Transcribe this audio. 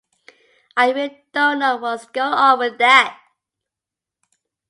I really don't know what's going on with that.